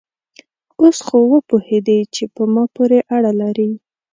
اوس خو وپوهېدې چې په ما پورې اړه لري؟